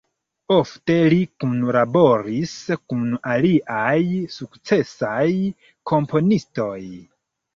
Ofte li kunlaboris kun aliaj sukcesaj komponistoj.